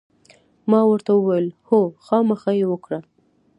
ما ورته وویل: هو، خامخا یې وکړه.